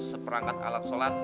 seperangkat alat sempurna